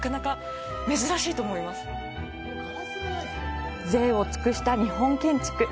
いを尽くした日本建築。